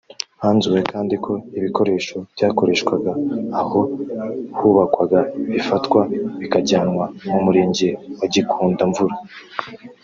Hanzuwe kandi ko ibikoresho byakoreshwaga aho hubakwaga bifatwa bikajyanwa ku Murenge wa Gikundamvura